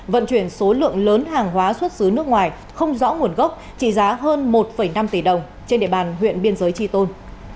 vận chuyển số lượng lớn hàng hóa xuất xứ nước ngoài không rõ nguồn gốc trị giá hơn một năm tỷ đồng trên địa bàn huyện biên giới tri tôn